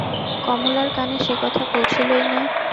কমলার কানে সে কথা পৌঁছিলই না।